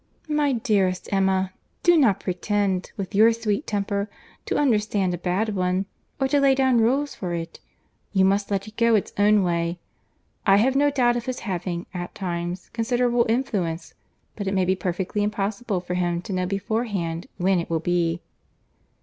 "My dearest Emma, do not pretend, with your sweet temper, to understand a bad one, or to lay down rules for it: you must let it go its own way. I have no doubt of his having, at times, considerable influence; but it may be perfectly impossible for him to know beforehand when it will be."